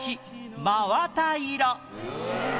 「真綿色」